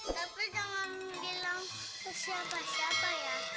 cepi jangan bilang siapa siapa ya